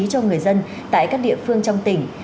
cho người dân tại các địa phương trong tỉnh